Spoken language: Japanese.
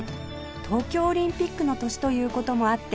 東京オリンピックの年という事もあって